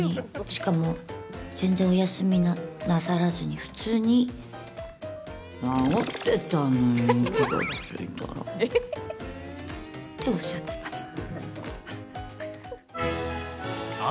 しかも全然お休みなさらずに、普通に。っておっしゃってました。